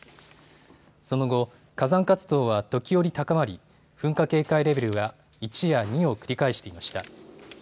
その後、火山活動は時折高まり噴火警戒レベルは１や２を繰り返していました。